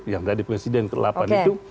yang dari presiden ke delapan itu